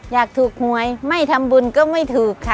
อยากถูกหวยไม่ทำบุญก็ไม่ถูกค่ะ